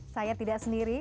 saya tidak sendiri